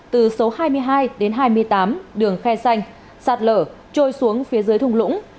từ số hai mươi hai đến hai mươi tám đường khe xanh sạt lở trôi xuống phía dưới thùng lũng